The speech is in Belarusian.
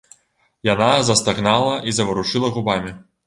Яна застагнала і заварушыла губамі.